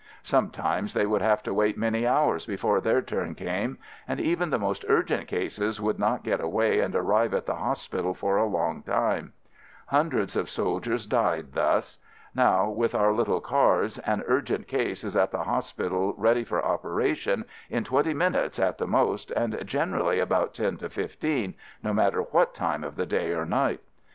Sometimes they would have to wait many hours before their turn came, and even the most urgent cases would not get away and arrive at the hos pital for a long time. Hundreds of sol FIELD SERVICE 97 diers died thus. Now, with our little cars, an urgent case is at the hospital ready for operation in twenty minutes at the most and generally about ten to fifteen — no matter what time of the day or night.